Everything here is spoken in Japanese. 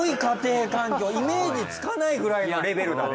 イメージつかないくらいのレベルだね。